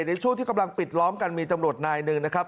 ในช่วงที่กำลังปิดล้อมกันมีตำรวจนายหนึ่งนะครับ